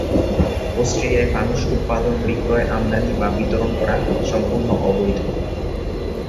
অস্ট্রিয়ায় ফানুস উৎপাদন, বিক্রয়, আমদানি বা বিতরণ করা সম্পূর্ণ অবৈধ।